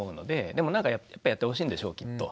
でもなんかやっぱやってほしいんでしょうきっと。